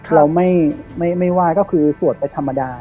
เราไม่ไหว้ก็คือสวดไปธรรมดา